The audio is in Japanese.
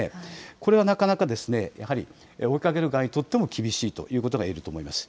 これはなかなか、やはり、追いかける側にとっても厳しいということがいえると思います。